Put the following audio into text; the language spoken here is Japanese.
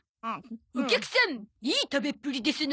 お客さんいい食べっぷりですな。